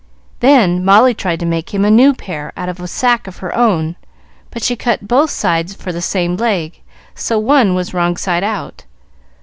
Then Molly tried to make him a new pair out of a sack of her own; but she cut both sides for the same leg, so one was wrong side out.